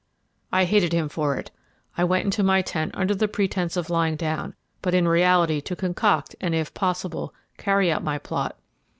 I hated him for it. I went into my tent under the pretence of lying down, but in reality to concoct and, if possible, carry out my plot.